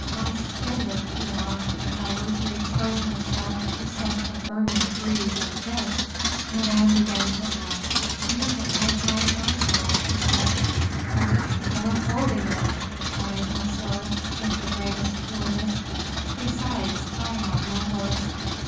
My skin would peel off if I were to expose myself to such a burning breeze as this." Madame began to laugh. "You can take my parasol," she said. "But the trouble of holding it!" replied Monsieur, with the greatest coolness; "besides, I have no horse."